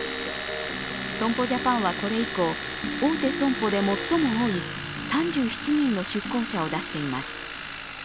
損保ジャパンはこれ以降大手損保で最も多い３７人の出向者を出しています。